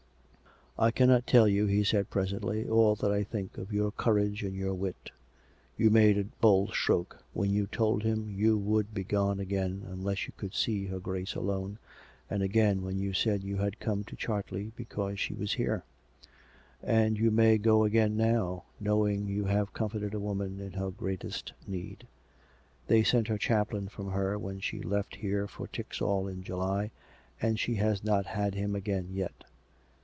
" I cannot tell you," he said presently, " all that I think of your courage and your wit. You made a told stroke when you told him you would begone again, unless you could see her Grace alone^ and again when you said you 314 COME RACK! COME ROPE! had come to Chartley because she was here. And you may go again now, knowing you have comforted a woman in her greatest need. They sent her chaplain from her when she left here for Tixall in July, and she has not had him again yet.